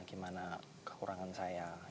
gimana kekurangan saya